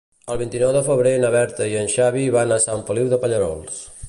El vint-i-nou de febrer na Berta i en Xavi van a Sant Feliu de Pallerols.